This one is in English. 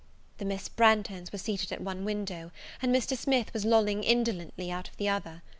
The Miss Branghtons were seated at one window, and Mr. Smith was lolling indolently out of the other.